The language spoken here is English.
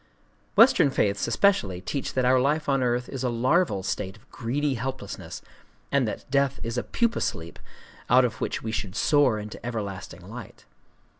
Western faiths especially teach that our life on earth is a larval state of greedy helplessness, and that death is a pupa sleep out of which we should soar into everlasting light.